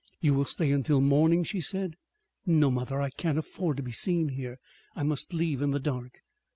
"You will stay until morning?" she said. "No, mother. I can't afford to be seen here. I must leave in the dark."